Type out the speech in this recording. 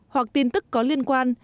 hoặc tin tức có liên quan